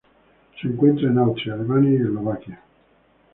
Se encuentra en Austria, Alemania y Eslovaquia.